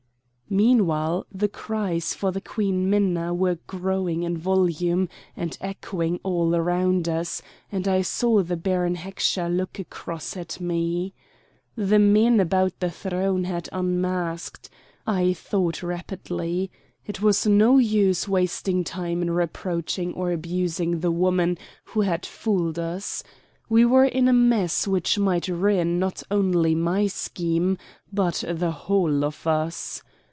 Meanwhile the cries for the Queen Minna were growing in volume and echoing all around us, and I saw the Baron Heckscher look across at me. The men about the throne had unmasked. I thought rapidly. It was no use wasting time in reproaching or abusing the woman who had fooled us. We were in a mess which might ruin not only my scheme, but the whole of us.